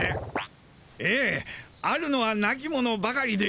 ええあるのは亡き者ばかりで。